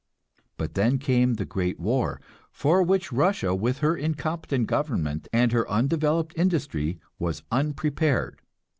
But then came the great war, for which Russia with her incompetent government and her undeveloped industry was unprepared.